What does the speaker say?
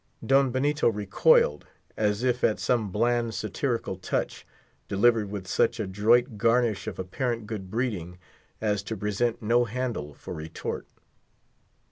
Don Benito recoiled, as if at some bland satirical touch, delivered with such adroit garnish of apparent good breeding as to present no handle for retort.